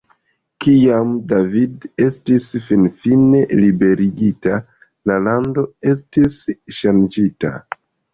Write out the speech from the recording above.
Kiam David estis finfine liberigita, la lando estis ŝanĝita.